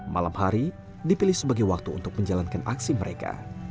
malam hari dipilih sebagai waktu untuk menjalankan aksi mereka